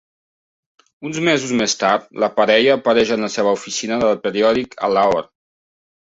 Uns mesos més tard la parella apareix en la seva oficina del periòdic a Lahore.